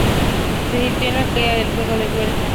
Se exilió a la caída del gobierno de Huerta.